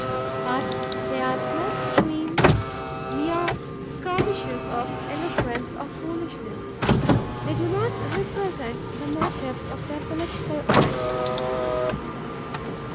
But they are smoke screens—mere skirmishes of eloquence or foolishness. They do not represent the motives of their political acts.